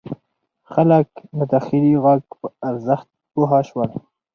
خلک د داخلي غږ په ارزښت پوه شول.